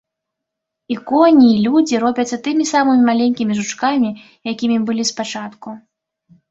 І коні, і людзі робяцца тымі самымі маленькімі жучкамі, якімі былі спачатку.